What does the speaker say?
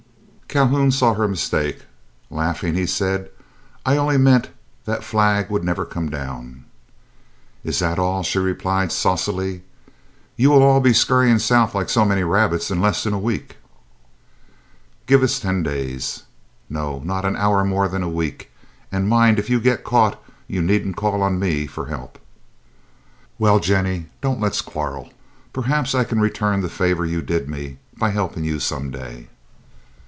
Calhoun saw her mistake. Laughing, he said, "I only meant that flag would never come down." "Is that all?" she replied, saucily; "you all will be scurrying south like so many rabbits in less than a week." "Give us ten days." "No, not an hour more than a week. And mind, if you get caught, you needn't call on me for help." "Well, Jennie, don't let's quarrel. Perhaps I can return the favor you did me, by helping you some day."